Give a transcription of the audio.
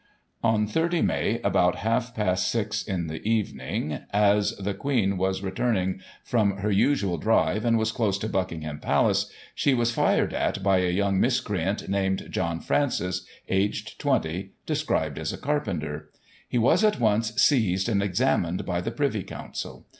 On 30 May, about half past six in the evening, as the Queen was returning from her usual drive, and was close to Buckingham Palace, she was fired at by a young miscreant named John Francis, aged 20, described as a carpenter. He was at once seized, and examined by the Privy Council.